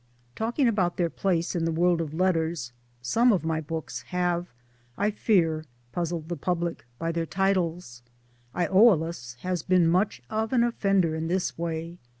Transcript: Talking about their place in the world of letters, some of my books have, I fear, puzzled the public by their titles. loldtis has been much of an offender in this way.